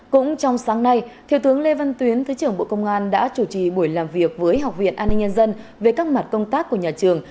cũng trong sáng nay thiếu tướng lê văn tuyến thứ trưởng bộ công an đã chủ trì buổi làm việc với học viện an ninh nhân dân về các mặt công tác của nhà trường